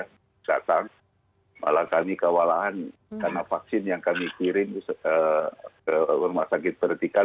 kesehatan malah kami kewalahan karena vaksin yang kami kirim ke rumah sakit vertikal